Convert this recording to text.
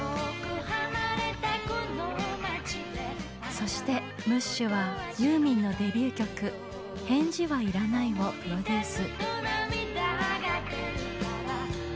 そしてムッシュはユーミンのデビュー曲「返事はいらない」をプロデュース。